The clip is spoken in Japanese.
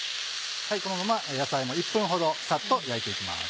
このまま野菜も１分ほどさっと焼いて行きます。